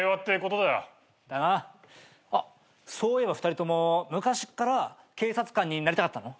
あっそういえば２人とも昔っから警察官になりたかったの？